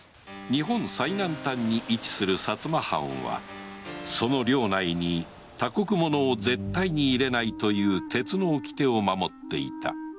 日本最南端に位置する薩摩藩はその領内に他国者を絶対に入れないという鉄の掟を守っていた